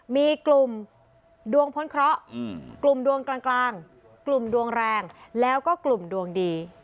มีกลุ่มดวงพ้นเคราะห์กลุ่มดวงกลางกลุ่มดวงแรงแล้วก็กลุ่มดวงดี